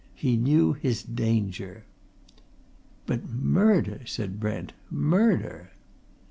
He knew his danger." "But murder?" said Brent. "Murder!"